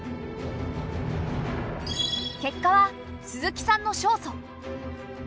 結果は鈴木さんの勝訴。